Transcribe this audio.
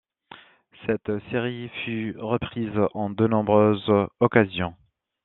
Cette série fut reprise en de nombreuses occasions.